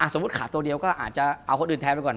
สมมุติขาตัวเดียวก็อาจจะเอาคนอื่นแทนไปก่อน